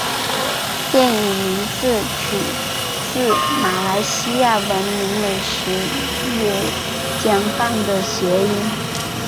电影名字取自马来西亚闻名美食椰浆饭的谐音。